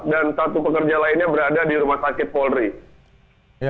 dan satu pekerja lainnya berada di rumah sakit polri